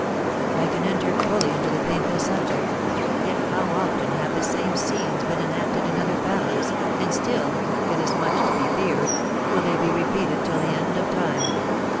"I can enter fully into the painful subject; yet how often have the same scenes been enacted in other families, and still, it is much to be feared, will they be repeated till the end of time.